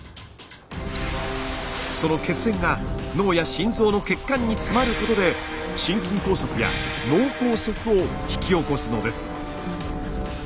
その血栓が脳や心臓の血管に詰まることで心筋梗塞や脳梗塞を引き起こすのです。